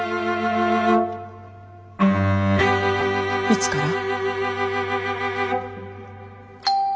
いつから？